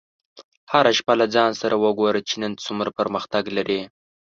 هره شپه له ځان سره وګوره چې نن څومره پرمختګ لرې.